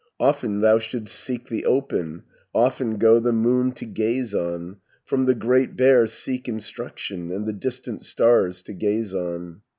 Often thou should'st seek the open, Often go the moon to gaze on, From the Great Bear seek instruction, And the distant stars to gaze on.